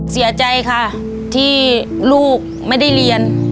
เสียใจค่ะที่ลูกไม่ได้เรียน